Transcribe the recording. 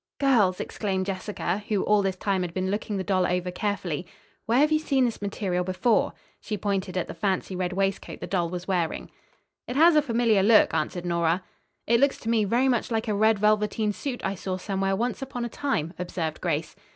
"Girls!" exclaimed Jessica, who all this time had been looking the doll over carefully, "where have you seen this material before?" She pointed at the fancy red waistcoat the doll was wearing. "It has a familiar look," answered Nora. "It looks to me very much like a red velveteen suit I saw somewhere once upon a time," observed Grace.